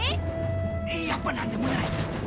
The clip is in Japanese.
やっぱなんでもない。